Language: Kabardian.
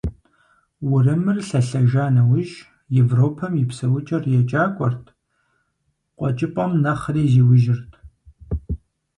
Урымыр лъэлъэжа нэужь, Европэм и псэукӀэр екӀакӀуэрт, КъуэкӀыпӀэм нэхъри зиужьырт.